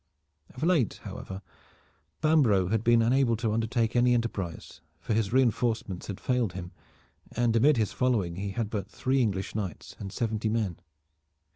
Of late, however, Bambro' had been unable to undertake any enterprise, for his reinforcements had failed him, and amid his following he had but three English knights and seventy men.